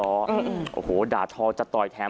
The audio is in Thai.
โอ้โหด่าทอจะต่อยแถม